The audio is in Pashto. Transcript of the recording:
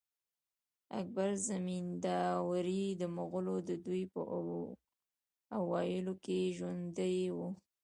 اکبر زمینداوری د مغلو د دوې په اوایلو کښي ژوندی وو.